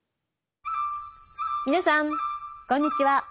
皆さんこんにちは。